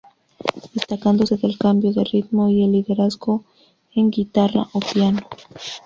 Destacándose el cambio de ritmo y el liderazgo en guitarra o piano.